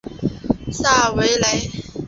萨韦雷。